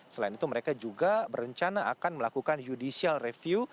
selain itu mereka juga berencana akan melakukan judicial review